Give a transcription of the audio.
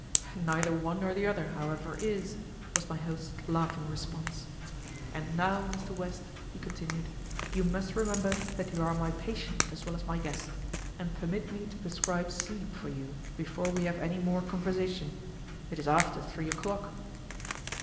"Neither one nor the other, however, is," was my host's laughing response. "And now, Mr. West," he continued, "you must remember that you are my patient as well as my guest, and permit me to prescribe sleep for you before we have any more conversation. It is after three o'clock."